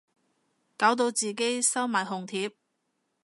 搞到自己收埋紅帖